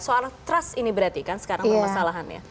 soal trust ini berarti kan sekarang permasalahannya